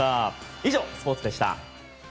以上、スポーツでした。